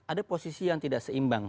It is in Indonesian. ada posisi yang tidak seimbang